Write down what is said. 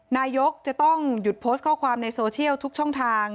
นายกจะต้องหยุดโพสต์ข้อความในโซเชียลทุกช่องทาง